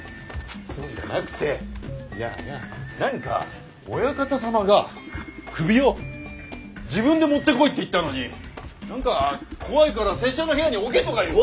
そうじゃなくていやいや何かオヤカタ様が首を自分で持ってこいって言ったのに何か怖いから拙者の部屋に置けとか言う。